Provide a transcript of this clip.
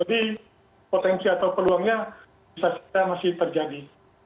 jadi potensi atau peluangnya bisa kita masih terjadi